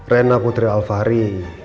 rena putri alfahri